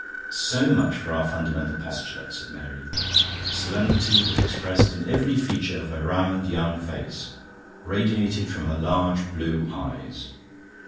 "So much for our fundamental postulate," said Mary. Solemnity was expressed in every feature of her round young face, radiated from her large blue eyes.